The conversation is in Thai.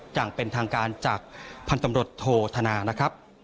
จากเป็นทางการจากพันธมรตโทษธนานะครับ